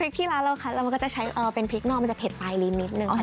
ติ๊กที่ร้านเราครับเรามันก็จะใช้เป็นติ๊กนอกมันจะเผ็ดไปนิดนึง